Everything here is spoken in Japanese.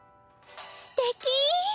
すてき！